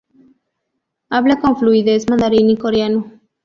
Habla con fluidez mandarín y coreano.